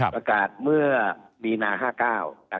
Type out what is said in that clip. ประกาศเมื่อมีนา๕๙นะครับ